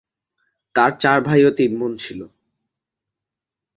তাঁর চার ভাই ও তিন বোন ছিল।